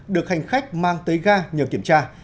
được hành khách mang tới ga nhờ kiểm tra